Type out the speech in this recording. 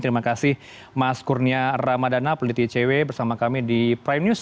terima kasih mas kurnia ramadana peliti icw bersama kami di prime news